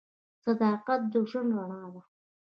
صداقت د ژوند رڼا ده.